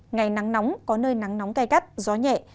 ngày nắng nóng có nơi nắng nóng cay cắt gió nhẹ